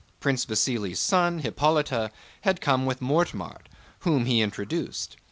Prince Vasíli's son, Hippolyte, had come with Mortemart, whom he introduced.